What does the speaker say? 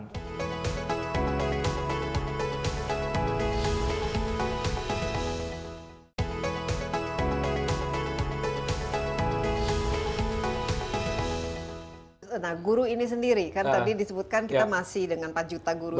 nah guru ini sendiri kan tadi disebutkan kita masih dengan empat juta guru